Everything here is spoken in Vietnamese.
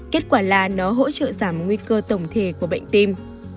kết quả là nó hỗ trợ giảm nguy cơ tổng thể của bệnh tim